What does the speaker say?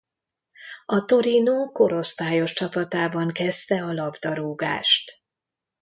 A Torino korosztályos csapatában kezdte a labdarúgást.